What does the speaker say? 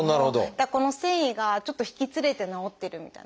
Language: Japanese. でこの線維がちょっと引きつれて治ってるみたいな。